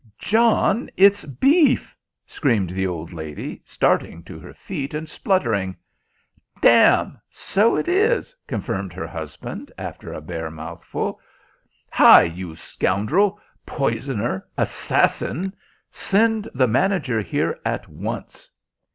"John, it's beef!" screamed the old lady, starting to her feet and spluttering. "Damme, so it is!" confirmed her husband, after a bare mouthful. "Hi, you scoundrel, poisoner, assassin send the manager here at once."